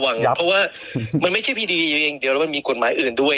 เพราะว่ามันไม่ใช่พีดีอยู่อย่างเดียวแล้วมันมีกฎหมายอื่นด้วย